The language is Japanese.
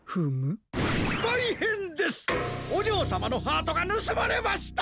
おじょうさまのハートがぬすまれました！